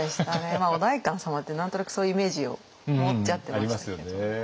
まあお代官様って何となくそういうイメージを持っちゃってましたけど。